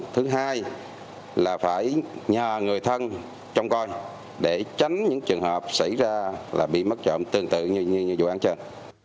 thứ hai là phải nhà người thân trong coi để tránh những trường hợp xảy ra là bị mất trộm tương tự như vụ án trên